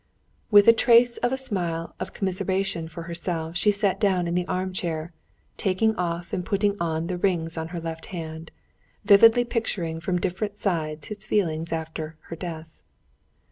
With the trace of a smile of commiseration for herself she sat down in the armchair, taking off and putting on the rings on her left hand, vividly picturing from different sides his feelings after her death.